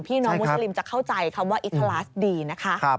น้องมุสลิมจะเข้าใจคำว่าอิทาลาสดีนะคะ